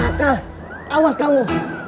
jangan kabur kamu